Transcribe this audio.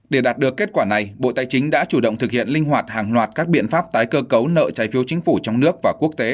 để đạt được kết quả này bộ tài chính đã chủ động thực hiện linh hoạt hàng loạt các biện pháp tái cơ cấu nợ trái phiếu chính phủ trong nước và quốc tế